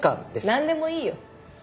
なんでもいいよ。